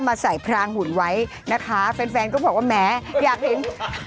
ใส่พรางหุ่นไว้นะคะแฟนแฟนก็บอกว่าแหมอยากเห็น